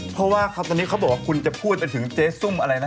เพราะว่าตอนนี้เขาบอกว่าคุณจะพูดไปถึงเจ๊ซุ่มอะไรนะ